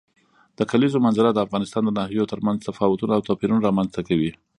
د کلیزو منظره د افغانستان د ناحیو ترمنځ تفاوتونه او توپیرونه رامنځ ته کوي.